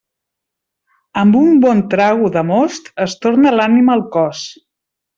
Amb un bon trago de most es torna l'ànima al cos.